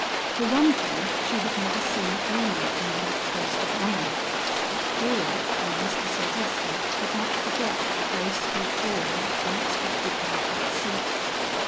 For one thing she had never seen Ona in that post of honor, but Paula and Mr. Sylvester could not forget the graceful form that once occupied that seat.